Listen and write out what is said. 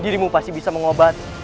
dirimu pasti bisa mengobati